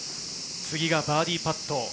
次がバーディーパット。